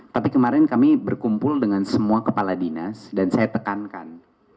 tapi kemarin kami berkumpul dengan semua kepala dinas dan saya tekankan